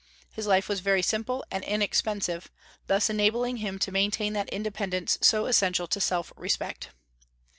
His life was very simple and inexpensive, thus enabling him to maintain that independence so essential to self respect.